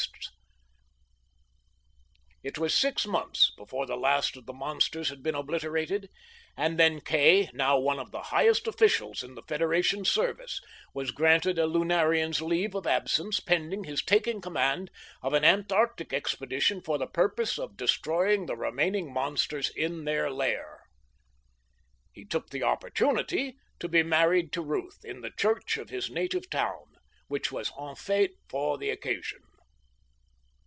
It was six months before the last of the monsters had been obliterated, and then Kay, now one of the highest officials in the Federation's service, was granted a lunarian's leave of absence pending his taking command of an Antarctic expedition for the purpose of destroying the remaining monsters in their lair. He took this opportunity to be married to Ruth, in the church in his native town, which was en fête for the occasion.